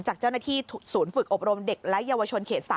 จากเจ้าหน้าที่ศูนย์ฝึกอบรมเด็กและเยาวชนเขต๓